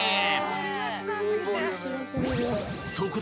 ［そこで］